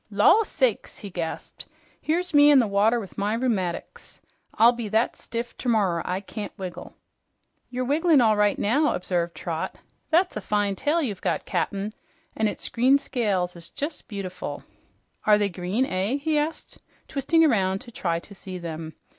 "Law sakes!" he gasped. "Here's me in the water with my rheumatics! I'll be that stiff termorrer I can't wiggle." "You're wigglin' all right now," observed Trot. "That's a fine tail you've got, Cap'n, an' its green scales is jus' beautiful." "Are they green, eh?" he asked, twisting around to try to see them.